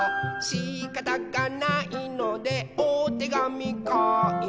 「しかたがないのでおてがみかいた」